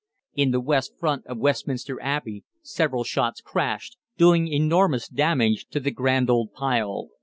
In the west front of Westminster Abbey several shots crashed, doing enormous damage to the grand old pile.